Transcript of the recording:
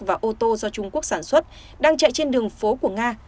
và ô tô do trung quốc sản xuất đang chạy trên đường phố của nga